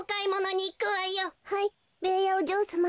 はいベーヤおじょうさま。